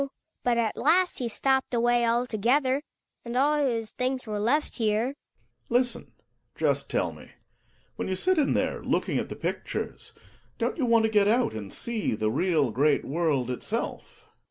But at last he stopj)ed away altogether, and all his things were left here. I — GKEiiEKS. — I jisten "^=^ jrryb teH TP^ — when you sit in there looking at the pictures, don't you want to get out, and see the real great world itself